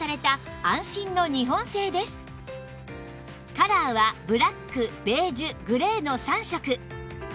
カラーはブラックベージュグレーの３色